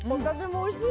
おいしい。